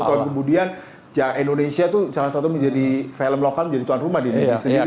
sepuluh tahun kemudian indonesia tuh salah satu menjadi film lokal menjadi tuan rumah di indonesia